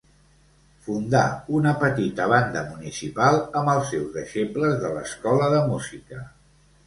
Fundà una petita banda municipal amb els seus deixebles de l'escola de música.